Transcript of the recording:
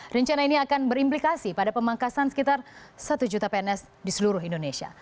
rencana ini akan berimplikasi pada pemangkasan sekitar satu juta pns di seluruh indonesia